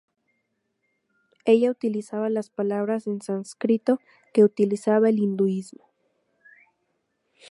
Ella utilizaba las palabras en sánscrito que utiliza el hinduismo.